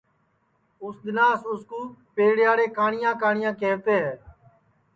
اُس دؔناس اُس پیڑیاڑے کاٹؔیا کاٹؔیا کیہوتے ہے